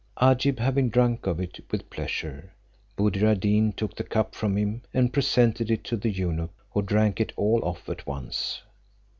Agib having drunk of it with pleasure, Buddir ad Deen took the cup from him, and presented it to the eunuch, who drank it all off at once.